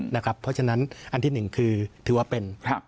เพราะฉะนั้นอันที่หนึ่งคือถือว่าเป็น